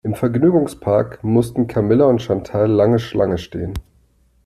Im Vergnügungspark mussten Camilla und Chantal lange Schlange stehen.